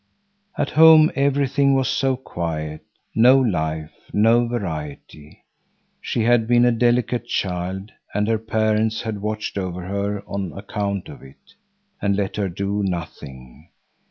At home everything was so quiet; no life, no variety. She had been a delicate child, and her parents had watched over her on account of it, and let her do nothing.